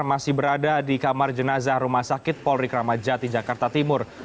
masih berada di kamar jenazah rumah sakit polri kramajati jakarta timur